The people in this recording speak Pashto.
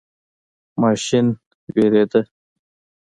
ماشین ویریده.